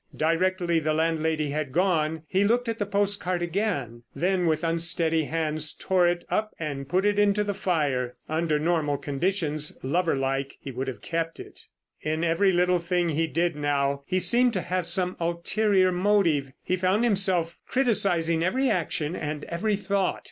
Directly the landlady had gone he looked at the postcard again, then with unsteady hands tore it up and put it into the fire. Under normal conditions, lover like, he would have kept it. In every little thing he did now he seemed to have some ulterior motive. He found himself criticising every action and every thought.